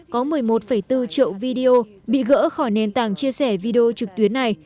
có một mươi một bốn triệu video bị gỡ khỏi nền tảng chia sẻ video trực tuyến này